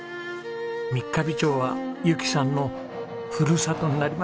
三ヶ日町はゆきさんのふるさとになりました。